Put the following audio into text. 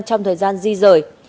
trong thời gian di rời